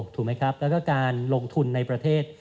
แล้วก็การลงทุนในประเทศ